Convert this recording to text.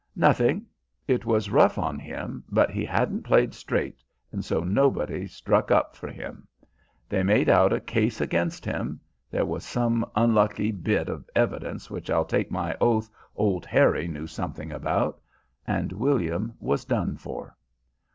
"Nothing. It was rough on him, but he hadn't played straight and so nobody struck up for him. They made out a case against him there was some onlucky bit of evidence which I'll take my oath old Harry knew something about and William was done for.